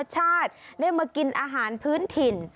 ชาติได้มากินอาหารพื้นถิ่น